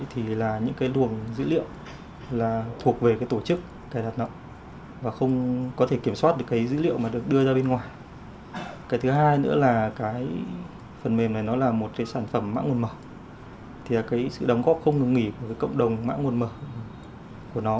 thì sự đóng góp không ngừng nghỉ của cộng đồng mã nguồn mở của nó